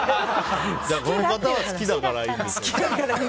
この方は好きだからいいけど。